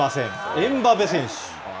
エムバペ選手。